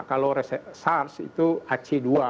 kalau sars itu ac dua